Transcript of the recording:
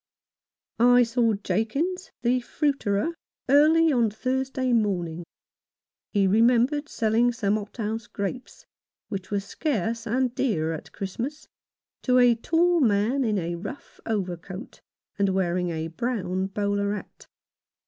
I saw Jakins, the fruiterer, early on Thursday morning. He remembered selling some hothouse grapes — which were scarce and dear at Christmas — to a tall man, in a rough overcoat, and wearing a brown bowler hat.